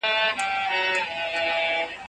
درد به په تدریجي ډول کم شي.